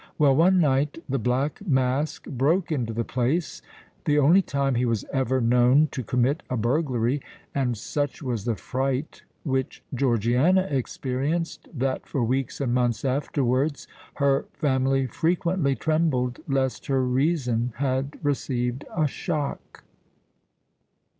Well, one night the Black Mask broke into the place—the only time he was ever known to commit a burglary—and such was the fright which Georgiana experienced, that for weeks and months afterwards her family frequently trembled lest her reason had received a shock."